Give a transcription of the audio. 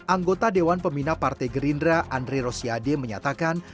anggota dewan pemina partai gerindra andri rosiade menyatakan